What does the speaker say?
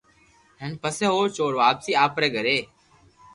ھين پسي او چور واپسي آپري گھري